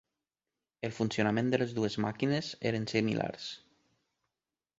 El funcionament de les dues màquines eren similars.